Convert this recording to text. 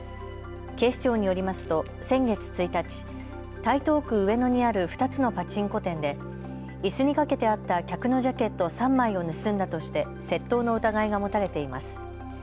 警視庁によりますと先月１日、台東区上野にある２つのパチンコ店でいすに掛けてあった客のジャケット３枚を盗んだとして窃盗の疑いが持たれています。